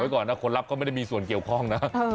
ก่อนนะคนรับก็ไม่ได้มีส่วนเกี่ยวข้องนะ